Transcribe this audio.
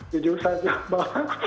jujur saja mbak